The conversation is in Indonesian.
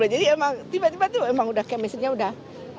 jadi emang tiba tiba tuh emang udah kemistri nya udah